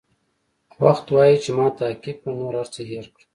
وخت وایي چې ما تعقیب کړه نور هر څه هېر کړه.